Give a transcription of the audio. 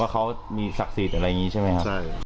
ว่าเขามีศักดิ์ศีลบันไดแล้วอย่างนี้ใช่ไหม